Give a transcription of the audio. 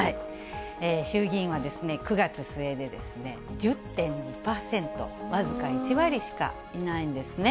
衆議院はですね、９月末で１０．２％、僅か１割しかいないんですね。